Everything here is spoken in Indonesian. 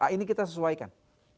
ini kita sesuaikan